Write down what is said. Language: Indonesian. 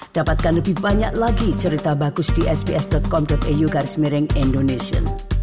dapatkan lebih banyak lagi cerita bagus di sbs com au garis mering indonesia